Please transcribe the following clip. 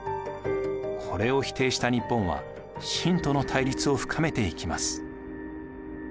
これを否定した日本は清との対立を深めていきます。